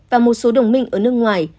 và một số đồng minh ở nước ngoài